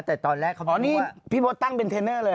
แต่ตอนแรกเขาบอกนี่พี่มดตั้งเป็นเทรนเนอร์เลย